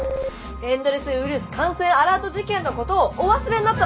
「エンドレスウイルス感染アラート事件のことをお忘れになったのですか？」。